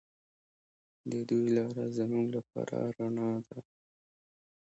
د دوی لاره زموږ لپاره رڼا ده.